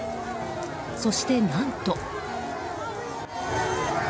そして何と。